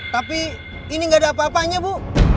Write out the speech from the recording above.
tapi ini nggak ada apa apanya bu